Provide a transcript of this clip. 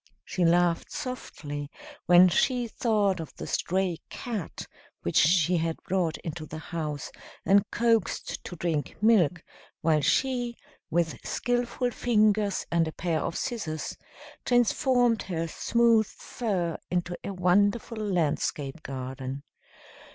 She laughed softly when she thought of the stray cat which she had brought into the house and coaxed to drink milk while she, with skilful fingers and a pair of scissors, transformed her smooth fur into a wonderful landscape garden.